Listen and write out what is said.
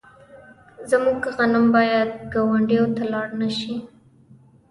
زموږ غنم باید ګاونډیو ته لاړ نشي.